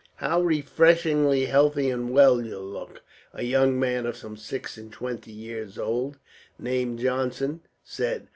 "How refreshingly healthy and well you look!" a young man of some six and twenty years old, named Johnson, said.